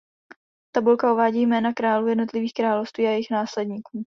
Tabulka uvádí jména králů jednotlivých království a jejich následníků.